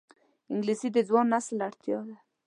انګلیسي د ځوان نسل اړتیا ده